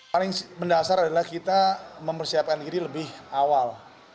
paling mendasar adalah kita mempersiapkan diri lebih awal